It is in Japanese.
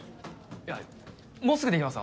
いやもうすぐ出来ます。